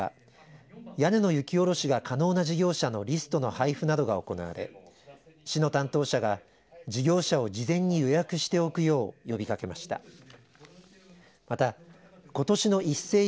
説明会では雪下ろし実施までの手順が説明されたほか屋根の雪下ろしが可能な事業者のリストの配布などが行われ市の担当者が事業者を事前に予約しておくよう呼びかけました。